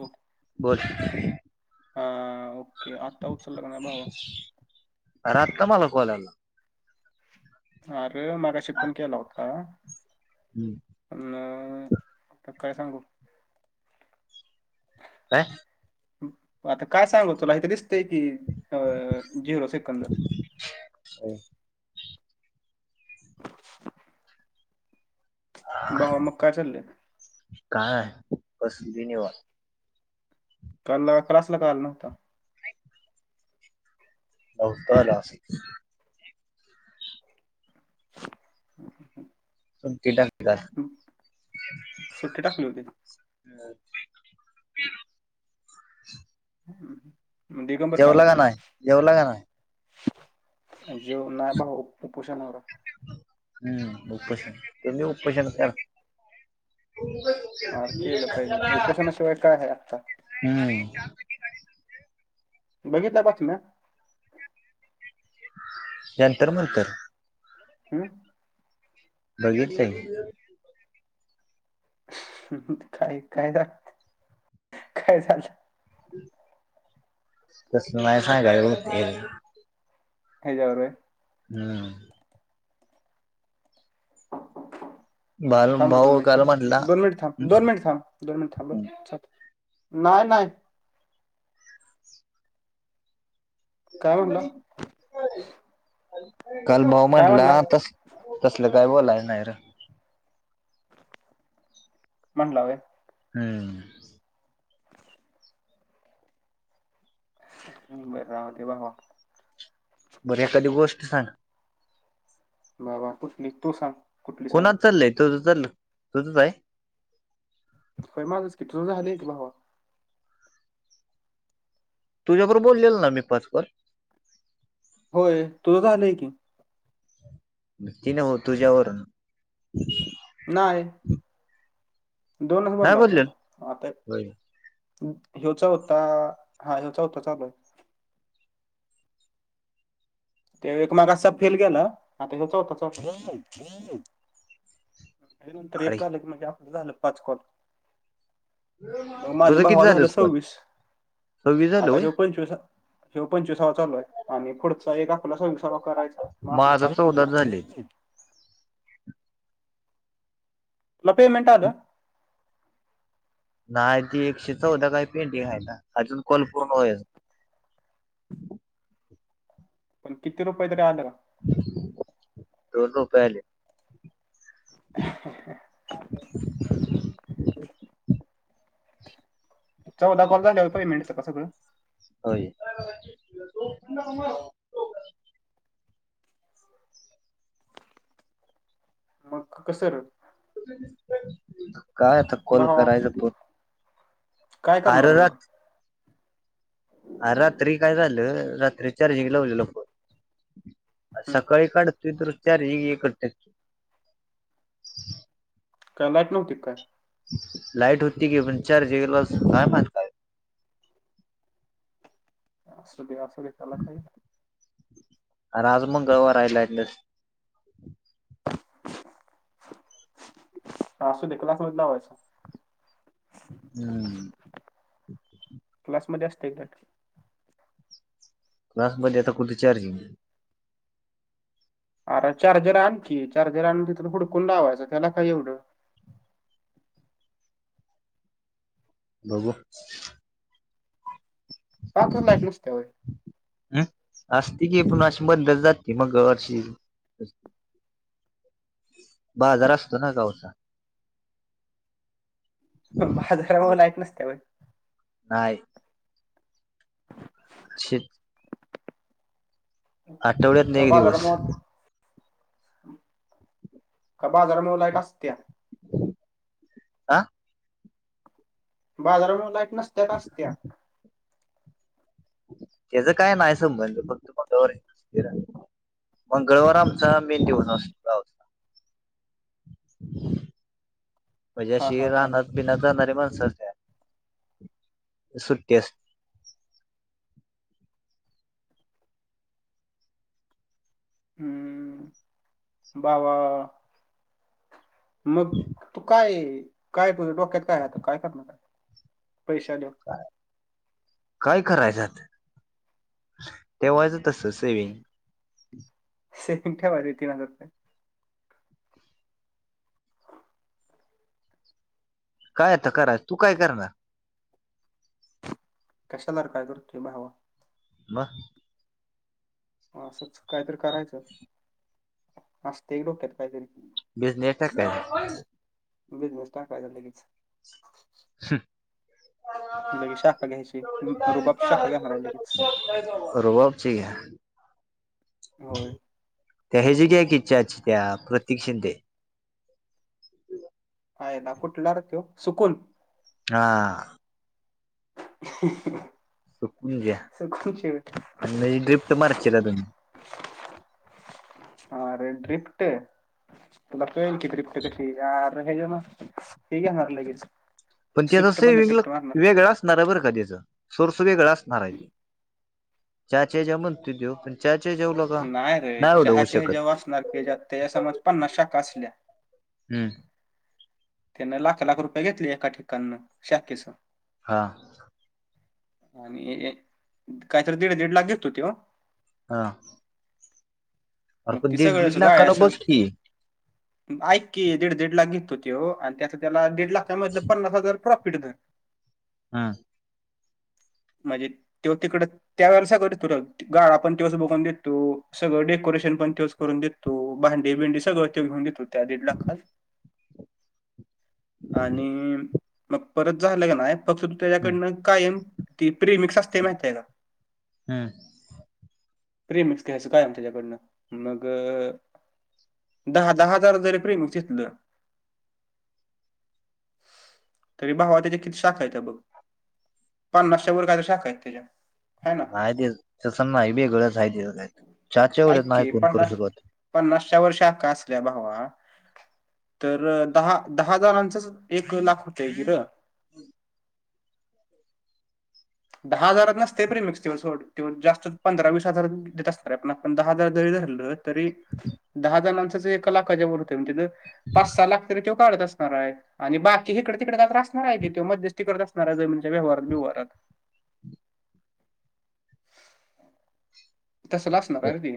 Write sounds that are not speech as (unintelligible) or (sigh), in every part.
हो बोल ओके आता उचलला का नाही भावा आत्त मला कोलेला अरे मागाशी पण केला होता हम्म अ काय सांगू ह आता काय सांगू तुला हे तर दिसतय की अ झिरो सेकंद हो (unintelligible) बावा मका चालले काय बसधनवा का क्सला का आलला न हो्हता बतला अस त टा काात सुट्टी टाकली होती ह जेवला का नाही जेवला का नाही जेव नाही भाऊ उपोषणावर हम्म उपोशन ते अरे केलं पाहिजे उपोशनर उपोषणाशिवाय काय आहे आता ह बघितल्या पाासून नंतर मंतर हम बघीचच काय काय झा काय झाचाल तस नाही सां काव हेच्यावर रे हम्म बाल थांब र दोन भाऊ काल मिनिटं म्हटला दोन मिनट थांब दोन मिनिट थांब दोन मिनिलो नाही नाही काय म्हणला काल भाऊ काय म्हटला म्हणला तस तसलं काय बोलाय नाही र म्हणला वय हम्म बरं रावते बावा बर एखादी गोष्ट सांग बाबा तूठ निघ तू सांग कुठली सांगू कोणात चालय तो ल तुझंच आहे माझ कि झाली तुला तुझ्या बरोब बोललेल ना मी पाचकर होय तुझंच आलंय की ति न हो तुझ्यावर नाही दोनच नाही भरला होता बोललेल आता होय. हचा होता हा हचा होता चालू आहे ते एक माग फेल गेला आ त्या चौथ चौ नंतर अरे एक झालं की म्हणजे आपलं झालं पाचकल मग माझा तुझं किती भाव झालं झाला स्कोर सव्वीस सव्वीस झालं आता होय ह पंचवीस ह पंचवीसावा चालूय आणि पुढचा एका आपला स वि सर्व करायचा मग माझं चौदा झाले आपलं पमेंट आ नाही ते एकशे चौदा काही पेंटिंग आहे ना? अजून कॉल पूर्ण होईना. पण किती रुपये? (unintelligible) दोन रुपायले. चौदा कॉल झाल्यावर पेंमेंटं येत का सगळं? होय. कस (unintelligible) काय आता कॉल भावा करायलोतो. काय आर करणार मग रात- आर रात्री काय झालं? रात्री चारजिंग लावलेल हम्म. सकाळी काढत- परत चार्जिंग एकच टक्के. काय लाईट नव्हती का काय? लाईट होती की. पण चार्जिंग काय (unintelligible) असल (unintelligible) आर आज मंगळवार आहे. लाईट - आसू दे. क्लासमध्ये लावायचा. हम्म. क्लासमध्ये असतय (unintelligible) क्लासमध्ये आता कुठे चार्जिंग? अर चार्जर आण कि. चार्जर आणून तिथं हुडकून लावायचं. त्याला काय एवढं? बरोबर. (unintelligible) हम. असती की पण अशी मधनच जाते मग अशी. बाजार असतो ना गावचा? बाजारामुळे लाईट नसतय व्हय? नाही. कशी? आठवड्यात का एक दिवस बाजारामुळं - का बाजारामुळं लाईट असतिया? आ? बाजारामुळं लाईट नसत्या का असत्या? त्याचा काय नाही संबंध. फक्त कोण वार ए - मंगळवार आमचा मेन दिवस असतो. (unintelligible) हा हा हा राहणार पिणा खाणारी माणस असत्या. सुट्टी अस- हम्म. बावा- मग तू काय? काय तुझ्या डोक्यात काय आता? काय करणार आता? पैशे आल्यावर. काय करायल्यात? ठेवायचं तस सेविंग. सेविंग‌ ठेवायचे तीन हजार रुपये. काय आता कराय? तू काय करणार? कशाला काय करतोय भावा. मग? असंच काहीतरी करायचं. असतय डोक्यात काहीतरी. बिझनेस टाक काय? बिझनेस टाकायचा लगेच. (unintelligible) लगेच शाखा घ्यायची. रुबाब शाखा घेणार आहे लगेच. रुबाबची? होय त्या ह्याची घ्यायची चाची त्या प्रतीक शिंदे. (unintelligible) आहे ना कुठला र तो सुकुल. हा. (unintelligible) सुकून घ्या सुकूनची होय. आणि म्ही ड्रिफ्ट मारची तुम्ही? अरे ड्रिप्ट तुला कळेल की ड्रिप्ट कशी? हेज ना हे घेणार लागेच. पण त्याचा सेवि्हंग वेगळा असणार बरं का त्याच. सोर्स वेगळा असणार आहे ते चाच्या म्हणते देव पण चाच्या जेवला. नाही रे चहा चही जेव्हा असणार क त्याच्यासमज पण नशा काचल्या. हम्म. त्यांन लाख लाख रुपये घेतले एका ठिकाणन शाखेचं. हां. आणि काहीतरी दीड दीड लाख घेतो तेव हा. अरे मग पण ति दीड सगळं दीड सुद्धा लाखाला आचं. बघ की आईक की दीड दीड लाख घेतो ते हो आणि त्याच त्याला दीड लाखच्या मधलं पन्नास हजार प्रॉफिटर हा. म्हणजे तेव्हा तिकडं त्या वळेस का करत तु गाळ आपण तेवस बोगवून देतो. तो सगळं डेकोरेशन पण तच करून देतो भांडेडी भिंडी सगळं त घेऊन देतो त्या दीड लाखात. आणि मग परत झालं का नाही. फक्त तू हम्म त्याच्याकडनं कायम ती प्रिमिक्स असते माहित आहे का? हम्म. प्रिमिक्स घ्यायचं कायम त्याच्याकडनं मग दहा दहा हजार जरी प्रीमिक्स इकल. तरी भावा त्याच्या किती शाखा आहेत बघ. पन्नासच्या वर काय तर शाखा आहेत त्याच्या हयना. नाही तेस तस नाही वेगळच आहे तेच चाच्या एवढ ऐक नाही की करू पन्नास शकत. पन्नासच्या वर्ष शाखा असल्या भावा. तर दहा दहाजारांचच एक लाख होतय गी र. (unintelligible) दहा हजारात नसते प्रेमिक्स जास्त पंधरा वीस हजार देत असणार पण आपण दहा हजार जरी धरलं तरी दहा जणांचा एक लाखाच्या वरती होत तेज पाच सहा लाख तरी तो काढत असणार आहे. आणि बाकी हिकडे तिकडे काय तर असणार आहे किवा मध्यस्ती करत असणार आहे जमीनच्या व्यवहारात बिव्हारात. तसल असणार आहे ना ती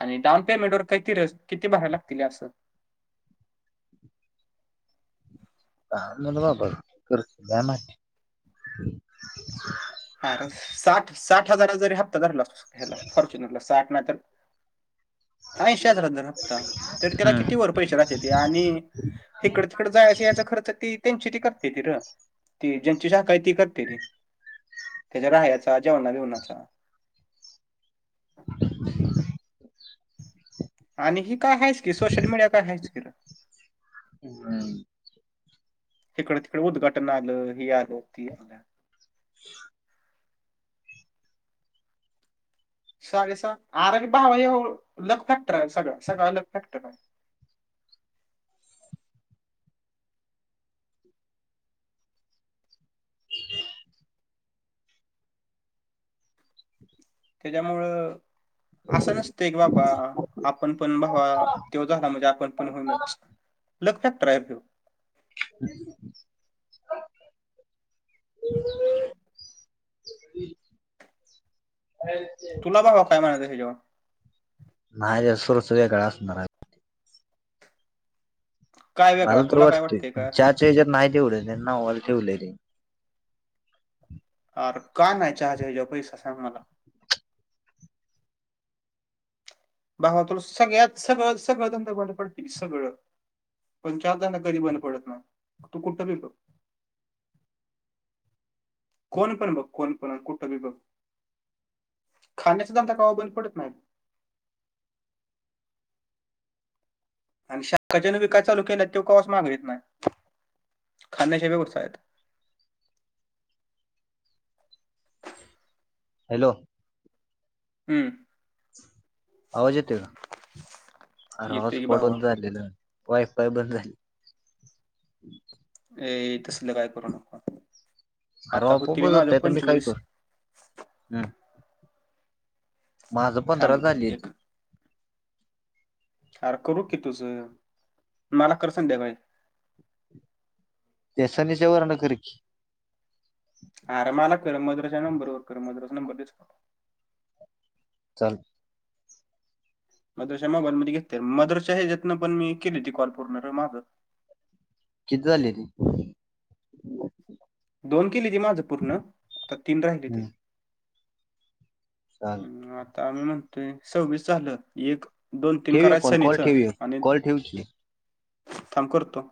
आणि डाऊन पेमेंट वर काहीती किती भराय लागतील असं. का (unintelligible) बाबा मा. हा साठ साठ हजारा जरी हप्ता धरला ह्याला फॉर्च्युनरला साठ नाही तर ऐंशी हजारचा धर हप्ता तर त्याला किती हम्म वर पैसे राहतेती आणि हिकड तिकड जायचं यायचा खर्च ती त्यांची ती करते ती र ती ज्यांची शाखा आहे ती करते ती. त्याच्या राहायचा जेवणाना बीवनाचा. (inaudible) आणि हि काय हायचं की सोशल मीडिया काय हायच कि र. हम्म. हीकडे तिकडे उद्घाटन आलं हि आलं ती आलं. ह (inaudible) शाळेचा आर भावा हे लक फॅक्टर आहे सगळ सगळं लक फॅक्टर आहे. त्याच्यामुळं असं नसतंय की बाबा आपण पण भावा तो झाला म्हणजे आपण पण होईनच लक फॅक्टर आहे (inaudible) (inaudible) अ (unintelligible) तुला भावा काय म्हणायचय याच्यावर. नाही त्याचा सोर्स वेगळा असणाराय. काय वेगळा मला तर तुला काय वाटतंय काय असणार चहा च्या हेच्यात नाही तेवढ त्यान नावाला ठेवलय. हम् (inaudible) र का नाही चहाच्या हेच्यावर पैसा सांग मला. भावा तुला सगळ्यात सगळं सगळं धंद बंद पडतील सगळं. पण चहाचा धंदा कधी बंद पडत नसतो. तू कुठ बी बग. कोण पण बघ कोण पण कुठंबी बघ खाण्याचा धंदा कवा बंद पडत नाही. आणि शाखा ज्यान बी काय चालू केलेत कवाच माग येत नाही खाण्याच्या व्यवसायात. हॅलो. हम्म आवाज येते का. आर येतोय की हॉटस्पॉट भावा बंद झालेलं. वायफाय बंद झाली. ए तसलं काय (unintelligible) अरे आता होतील आपोआपच माझ पंचवीस. हम्. माझ पंधरा थांब एक झालीत. आर करू की तुझ. मला कर संध्याकाळी. त्या सनी च्या वरण कर की. आर मला कर मधुरा च्या नंबर वर कर मधुरा चा नंबर दिस चाल मधुरा च्या मोबाईल मध्ये घेतले. मधुरा च्या हेच्यातन पण मी केलीती कॉल पूर्ण माझं. किती झालीत दोन केली ती माझं पूर्ण तर तीन राहिली ते हम्म चाल हम् आता मी म्हणतोय सव्वीस झालं की एक दोन तीन ठेव एक करायच कॉल कॉल सनीच ठेव एक आणि कॉल ठेव की थांब करतो.